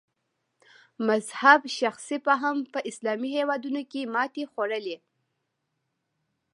مذهب شخصي فهم په اسلامي هېوادونو کې ماتې خوړلې.